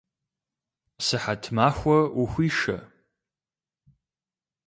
Сыхьэт махуэ ухуишэ!